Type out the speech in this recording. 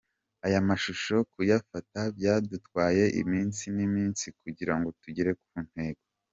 Aya mashusho kuyafata byadutwaye iminsi n’iminsi kugira ngo tugere ku ntego”.